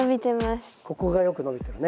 ここがよく伸びてるね。